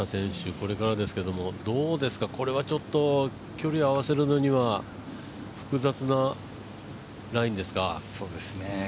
これからですけどこれはちょっと距離合わせるのには複雑なラインですか？